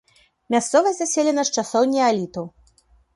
Мясцовасць заселена з часоў неаліту.